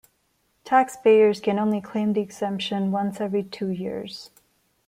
Taxpayers can only claim the exemption once every two years.